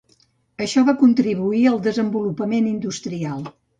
Això va contribuir al desenvolupament industrial.